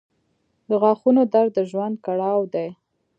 • د غاښونو درد د ژوند کړاو دی.